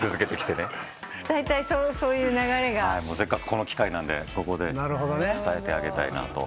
せっかくこの機会なんでここで伝えてあげたいなと。